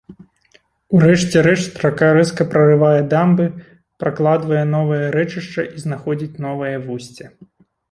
У рэшце рэшт рака рэзка прарывае дамбы, пракладвае новае рэчышча і знаходзіць новае вусце.